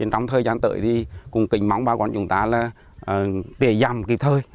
trong thời gian tới thì cùng kinh mong bà con chúng ta là tiềm dằm kịp thời